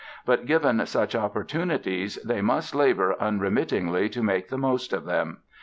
But given such opportunities they must labor unremittingly to make the most of them.